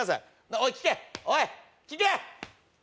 おい聞けおい聞け！